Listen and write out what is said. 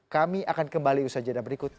kami akan kembali bersajaran berikut